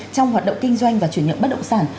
trong hoạt động kinh doanh và chuyển nhượng bất động sản